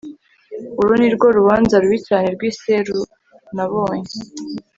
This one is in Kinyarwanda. uru nirwo rubanza rubi cyane rw'iseru nabonye